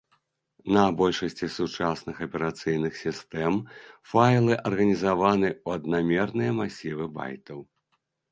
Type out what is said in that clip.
На большасці сучасных аперацыйных сістэм, файлы арганізаваны ў аднамерныя масівы байтаў.